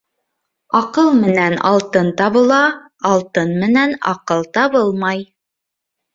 Аҡыл менән алтын табыла, алтын менән аҡыл табылмай.